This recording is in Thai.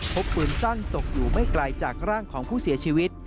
พบปืนสั้นตกอยู่ไม่ไกลจากร่างของผู้เสียชีวิต